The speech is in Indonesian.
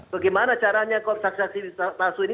bagaimana caranya kok saksi saksi palsu ini